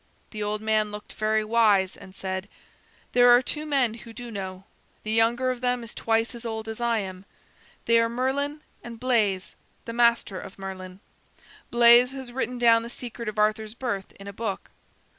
The old man looked very wise and said: "There are two men who do know; the younger of them is twice as old as I am. They are Merlin, and Bleys, the master of Merlin. Bleys has written down the secret of Arthur's birth in a book."